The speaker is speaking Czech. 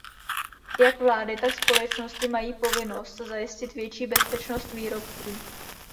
Jak vlády, tak společnosti mají povinnost zajistit větší bezpečnost výrobků.